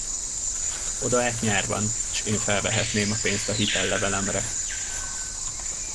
Odaát nyár van, s én felvehetném a pénzt a hitellevelemre.